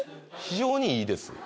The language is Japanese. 非常にいいです